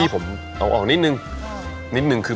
ก้าวเบื้องก้าว